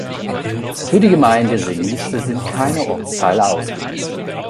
Für die Gemeinde Senice sind keine Ortsteile ausgewiesen.